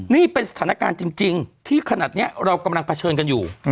นี่เป็นสถานการณ์จริงที่ขนาดนี้เรากำลังเผชิญกันอยู่